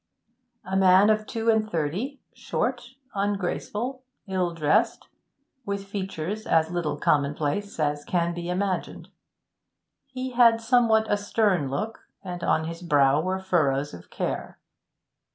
A man of two and thirty, short, ungraceful, ill dressed, with features as little commonplace as can be imagined. He had somewhat a stern look, and on his brow were furrows of care.